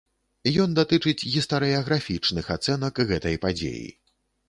Ён датычыць гістарыяграфічных ацэнак гэтай падзеі.